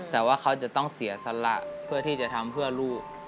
แต่ว่าเขาจะต้องเสียสละเพื่อที่จะทำเพื่อลูก